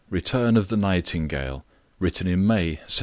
RETURN OF THE NIGHTINGALE. Written in May, 1791.